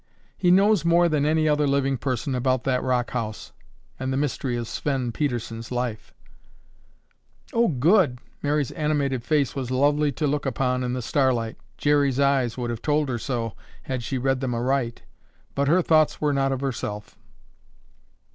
He knows more than any other living person about that rock house and the mystery of Sven Pedersen's life—" "Oh, good!" Mary's animated face was lovely to look upon in the starlight. Jerry's eyes would have told her so, had she read them aright, but her thoughts were not of herself.